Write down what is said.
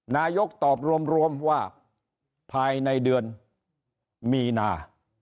นายกตอบรวมว่าภายในเดือนมีนา